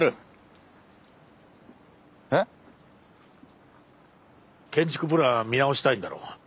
えっ！？建築プラン見直したいんだろう？